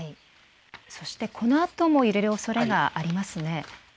このあとも揺れるおそれがありますね。